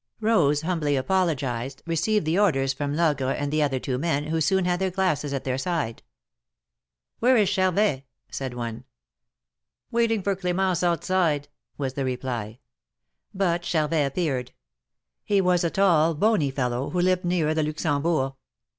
Rose humbly apologized, received the orders from Logre THE MARKETS OF PARIS. 135 and the other two men, who soon had their glasses at their side. ''Where is Charvet? said one. "Waiting for Clemence outside,'^ was the reply. But Charvet appeared. He was a tall, bony fellow, who lived near the Luxembourg.